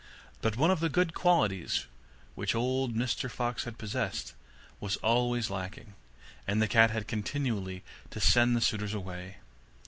But one of the good qualities which old Mr Fox had possessed, was always lacking, and the cat had continually to send the suitors away.